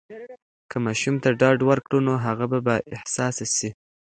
که ماشوم ته ډاډ ورکړو، نو هغه به بااحساسه سي.